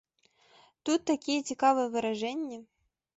Тут такія цікавыя выражэнні.